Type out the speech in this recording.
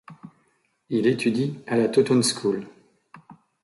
Il étudie à la Taunton School.